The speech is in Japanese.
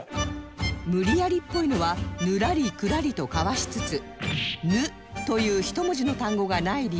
無理やりっぽいのはぬらりくらりとかわしつつ「ぬ」という１文字の単語がない理由とは？